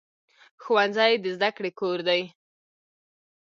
ښوونځی د زده کړې کور دی